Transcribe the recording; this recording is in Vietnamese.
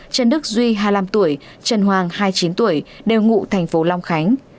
trần đức duy hai mươi năm tuổi trần hoàng hai mươi chín tuổi đều ngụ thành phố long khánh